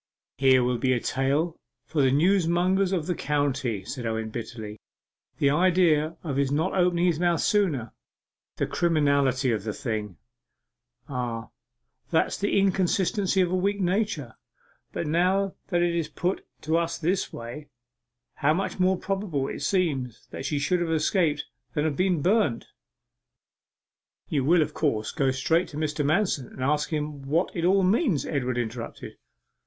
'Here will be a tale for the newsmongers of the county,' said Owen bitterly. 'The idea of his not opening his mouth sooner the criminality of the thing!' 'Ah, that's the inconsistency of a weak nature. But now that it is put to us in this way, how much more probable it seems that she should have escaped than have been burnt ' 'You will, of course, go straight to Mr. Manston, and ask him what it all means?' Edward interrupted.